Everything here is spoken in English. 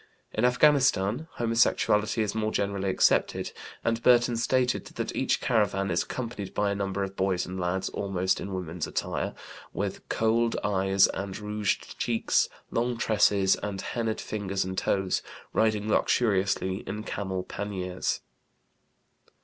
In Afghanistan homosexuality is more generally accepted, and Burton stated that "each caravan is accompanied by a number of boys and lads almost in woman's attire, with kohled eyes and rouged cheeks, long tresses and hennaed fingers and toes, riding luxuriously in camel paniers."